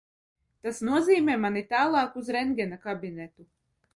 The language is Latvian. Tas nozīmē mani tālāk uz rentgena kabinetu.